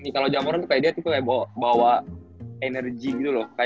kalo jamoran tuh kayak dia bawa energi gitu loh